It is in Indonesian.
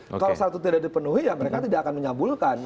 kalau syarat itu tidak dipenuhi ya mereka tidak akan menyambulkan